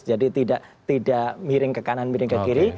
jadi tidak miring ke kanan miring ke kiri